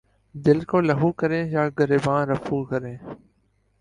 دل کو لہو کریں یا گریباں رفو کریں